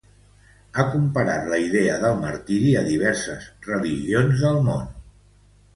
Ha comparat la idea del martiri a diverses religions del món.